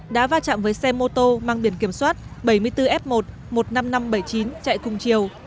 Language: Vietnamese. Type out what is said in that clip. đã va chạm với xe mô tô mang biển kiểm soát bảy mươi bốn f một một mươi năm nghìn năm trăm bảy mươi chín chạy cùng chiều